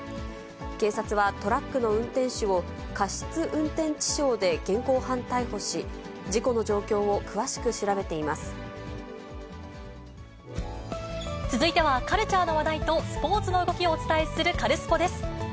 警察はトラックの運転手を、過失運転致傷で現行犯逮捕し、続いては、カルチャーの話題とスポーツの動きをお伝えするカルスポっ！です。